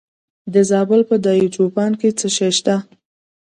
د زابل په دایچوپان کې څه شی شته؟